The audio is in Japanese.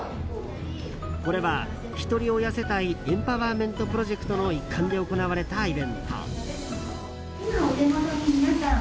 これはひとり親世帯エンパワーメントプロジェクトの一環で行われたイベント。